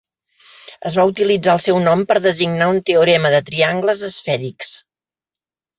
Es va utilitzar el seu nom per designar un teorema de triangles esfèrics.